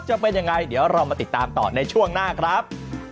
จะเป็นยังไงเดี๋ยวเรามาติดตามต่อในช่วงหน้าครับ